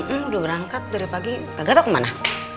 udah berangkat dari pagi gak tau kemana